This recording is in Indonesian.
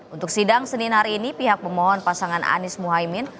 untuk sidang senin hari ini pihak pemohon pasangan anies muhaymin